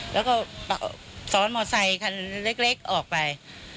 แล้วก็สอนมอเซย์นั้นเล็กออกไป